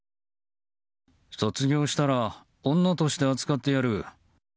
卒業したら女として扱ってやる。